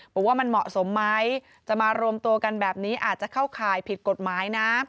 บอกว่ามันเหมาะสมไหมจะมารวมตัวกันแบบนี้อาจจะเข้าข่ายผิดกฎหมายนะ